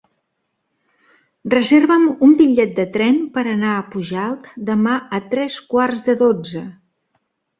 Reserva'm un bitllet de tren per anar a Pujalt demà a tres quarts de dotze.